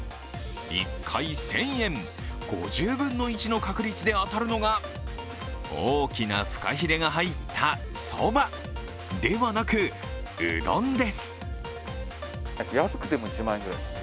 １回１０００円、５０分の１の確率で当たるのが大きなフカヒレが入ったそばではなく、うどんです。